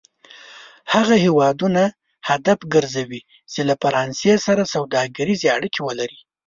هغه هېوادونه هدف کرځوي چې له فرانسې سره سوداګریزې اړیکې ولري.